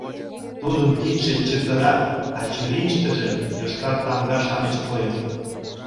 Тудын кидше чытыра, а чурийыштыже йошкар тамга-шамыч койыт.